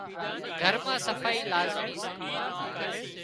گھر مان صفائي لازمي سي